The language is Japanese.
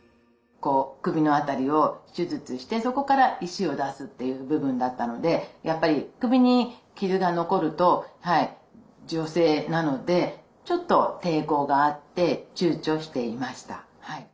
こう首のあたりを手術してそこから石を出すっていう部分だったのでやっぱり首に傷が残ると女性なのでちょっと抵抗があってちゅうちょしていましたはい。